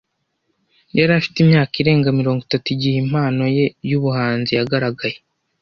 Yari afite imyaka irenga mirongo itatu igihe impano ye yubuhanzi yagaragaye.